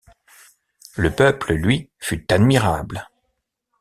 Le peuple, lui, fut admirable.